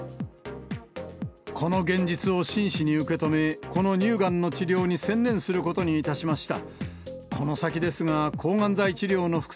この現実を真摯に受け止め、この乳がんの治療に専念することにいたしました。